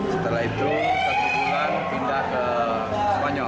setelah itu satu bulan pindah ke spanyol